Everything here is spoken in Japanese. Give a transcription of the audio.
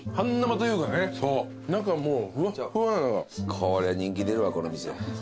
こりゃ人気出るわこの店。